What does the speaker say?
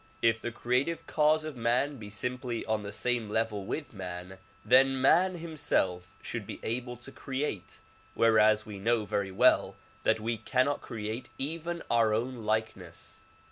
If the creative cause of man be simply on the same level with man, then man himself should be able to create whereas we know very well that we cannot create even our own likeness.